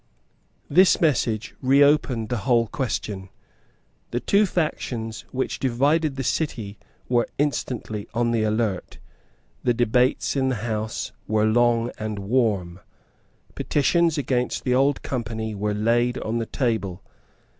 This message reopened the whole question. The two factions which divided the City were instantly on the alert. The debates in the House were long and warm. Petitions against the old Company were laid on the table.